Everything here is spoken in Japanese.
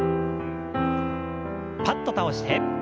パッと倒して。